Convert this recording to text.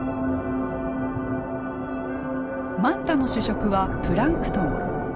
マンタの主食はプランクトン。